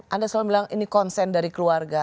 anda selalu bilang ini konsen dari keluarga